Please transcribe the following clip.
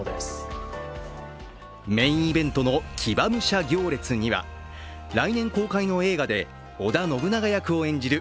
メインイベントの騎馬武者行列には来年公開の映画で織田信長役を演じる